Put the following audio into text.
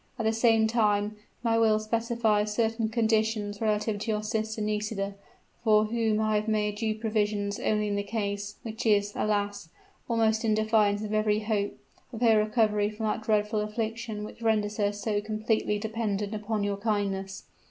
At the same time my will specifies certain conditions relative to your sister Nisida, for whom I have made due provision only in the case which is, alas! almost in defiance of every hope! of her recovery from that dreadful affliction which renders her so completely dependent upon your kindness.'